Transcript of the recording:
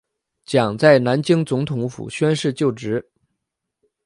蒋在南京总统府宣誓就职。